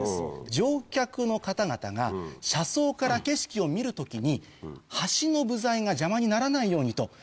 乗客の方々が車窓から景色を見る時に橋の部材が邪魔にならないようにと。